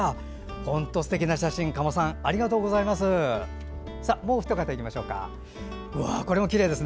本当すてきな写真加茂さん、ありがとうございます。